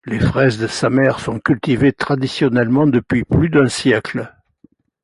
Les fraises de Samer sont cultivées traditionnellement depuis plus d’un siècle.